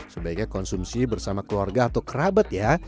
sebaiknya konsumsi bersama keluarga atau kerabat ya